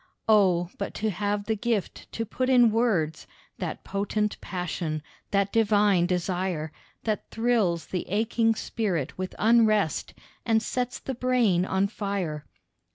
Oh! but to have the gift to put in words, That potent passion, that divine desire, That thrills the aching spirit with unrest And sets the brain on fire.